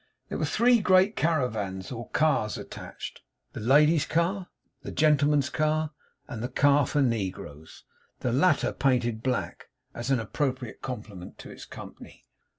There were three great caravans or cars attached. The ladies' car, the gentlemen's car, and the car for negroes; the latter painted black, as an appropriate compliment to its company.